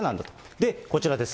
で、こちらです。